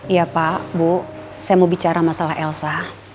iya pak bu saya mau bicara masalah elsa